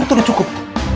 itu udah cukup